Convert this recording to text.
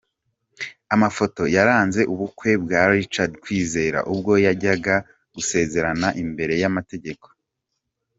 Amafoto yaranze ubukwe bwa Richard Kwizera ubwo yajyaga gusezerana imbere y'amategeko.